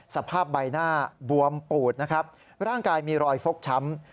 สภาพใบหน้าบวมปูดนะครับร่างกายมีรอยฟกช้ำ